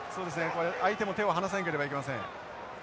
これ相手も手を離さなければいけません。